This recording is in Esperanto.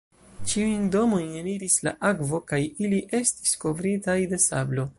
Ĉiujn domojn eniris la akvo kaj ili estis kovritaj de sablo.